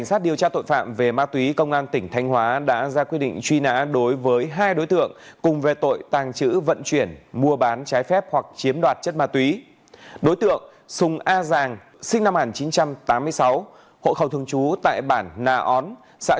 và đối tượng lê thị hương sinh năm một nghìn chín trăm bảy mươi sáu hộ khẩu thường chú tại xã xuân cao huyện thường xuân tỉnh thanh hóa